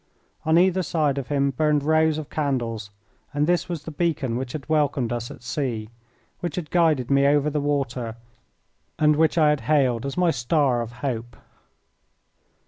On either side of him burned rows of candles, and this was the beacon which had welcomed us at sea, which had guided me over the water, and which I had hailed as my star of hope.